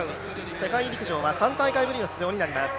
世界陸上は３大会ぶりの出場になります。